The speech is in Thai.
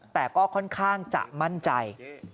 แต่ก็ค่อนข้างจะมั่นใจ